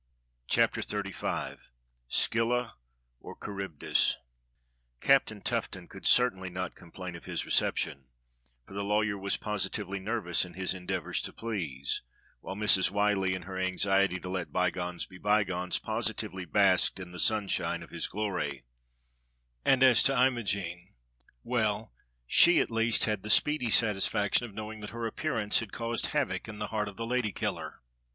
CHAPTER XXXV SCYLLA OR CHARYBDIS CAPTAIN TUFFTON could certainly not com plain of his reception, for the lawyer was posi tively nervous in his endeavours to please, while Mrs. ^Vhyllie, in her anxiety to let bygones be bygones, positively basked in the sunshine of his glory, and as to Imogene — well, she at least had the speedy satisfaction of knowing that her appearance had caused havoc in the heart of the lady killer.